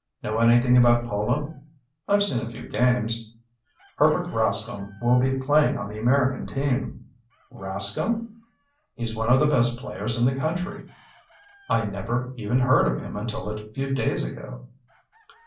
Know anything about polo?" "I've seen a few games." "Herbert Rascomb will be playing on the American team." "Rascomb!" "He's one of the best players in the country." "I never even heard of him until a few days ago."